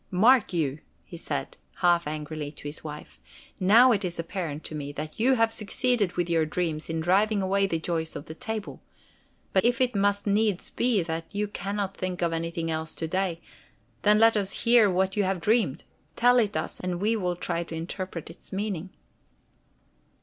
"Mark you!" he said half angrily to his wife. "Now it is apparent to me that you have succeeded with your dreams in driving away the joys of the table. But if it must needs be that you can not think of anything else to day, then let us hear what you have dreamed. Tell it us and we will try to interpret its meaning!"